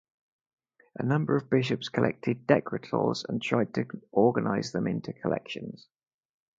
A number of bishops collected decretals and tried to organize them into collections.